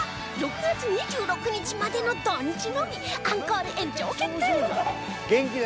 ６月２６日までの土日のみアンコール延長決定！